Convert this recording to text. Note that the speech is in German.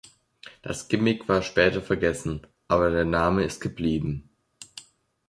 Das Gimmick war später vergessen, aber der Name ist geblieben.